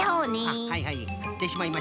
あっはいはいくくってしまいましょう。